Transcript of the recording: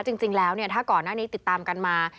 จริงแล้วถ้าก่อนหน้านี้ติดตามกันมา